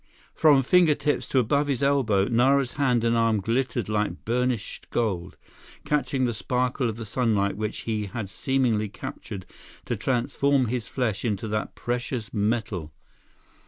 From fingertips to above his elbow, Nara's hand and arm glittered like burnished gold, catching the sparkle of the sunlight which he had seemingly captured to transform his flesh into that precious metal.